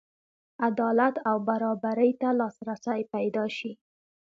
عدالت او برابرۍ ته لاسرسی پیدا شي.